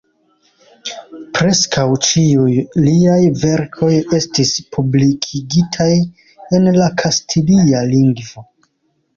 Preskaŭ ĉiuj liaj verkoj estis publikigitaj en la kastilia lingvo.